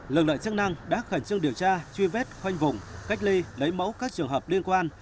lực lượng chức năng đã khẩn trương điều tra truy vết khoanh vùng cách ly lấy mẫu các trường hợp liên quan